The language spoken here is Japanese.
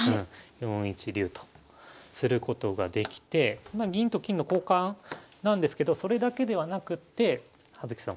４一竜とすることができてまあ銀と金の交換なんですけどそれだけではなくって葉月さん